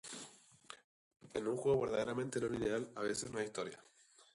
En un juego verdaderamente no lineal, a veces, no hay historia.